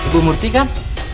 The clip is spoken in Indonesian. bu murti kan